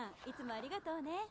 いつもありがとうね。